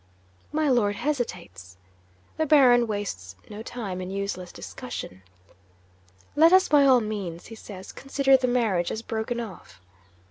'My Lord hesitates. The Baron wastes no time in useless discussion. "Let us by all means" (he says) "consider the marriage as broken off."